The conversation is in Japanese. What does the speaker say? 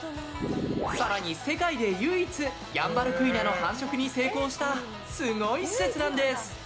更に、世界で唯一ヤンバルクイナの繁殖に成功したすごい施設なんです。